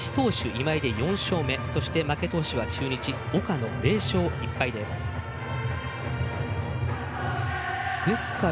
勝ち投手今井で４勝目負け投手は中日、岡野０勝１敗です。